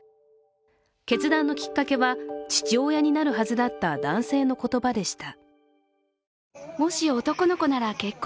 決断のきっかけは、父親になるはずだった男性の言葉でした。